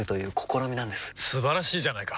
素晴らしいじゃないか！